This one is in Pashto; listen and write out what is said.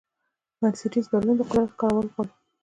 بنسټیز بدلون د قدرت کارول غواړي.